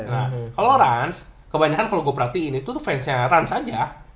nah kalau rans kebanyakan kalau gua perhatiin itu tuh fansnya rans aja